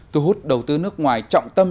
thu hút đầu tư nước ngoài trọng tâm